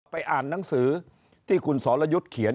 ไปอ่านหนังสือที่คุณสอรยุทธศนจินดาเขียน